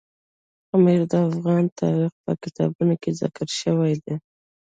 پامیر د افغان تاریخ په کتابونو کې ذکر شوی دی.